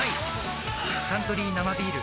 「サントリー生ビール」